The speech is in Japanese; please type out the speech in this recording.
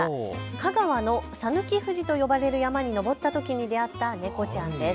香川の讃岐富士と呼ばれる山に登ったときに出会った猫ちゃんです。